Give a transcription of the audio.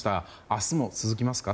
明日も続きますか？